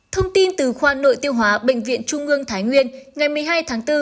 thông tin từ khoa nội tiêu hóa bệnh viện trung ương thái nguyên ngày một mươi hai tháng bốn